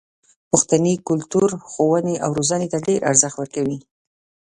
پښتني کلتور ښوونې او روزنې ته ډېر ارزښت ورکوي.